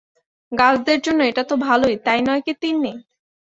গাছদের জন্যে এটা তো ভালোই, তাই নয় কি তিন্নি?